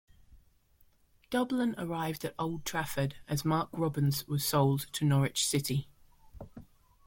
Dublin arrived at Old Trafford as Mark Robins was sold to Norwich City.